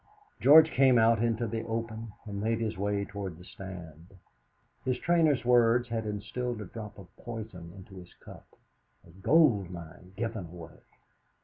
George came out into the open, and made his way towards the Stand. His trainer's words had instilled a drop of poison into his cup. "A goldmine given away!"